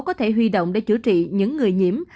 có thể huy động để chữa trị những người nhiễm